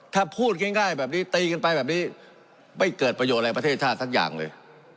ถ้าพูดง่ายแบบนี้ตีกันไปแบบนี้ไม่เกิดประโยชน์อะไรประเทศชาติสักอย่างเลย